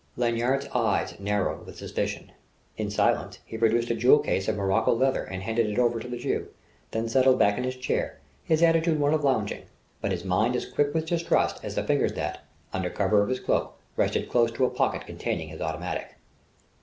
Lanyard's eyes narrowed with suspicion. In silence he produced a jewel case of morocco leather and handed it over to the Jew, then settled back in his chair, his attitude one of lounging, but his mind as quick with distrust as the fingers that, under cover of his cloak, rested close to a pocket containing his automatic.